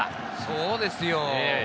そうですよ。